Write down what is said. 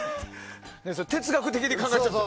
哲学的に考えちゃった？